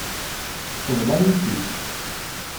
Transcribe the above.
Tebḍa-yi-t-id.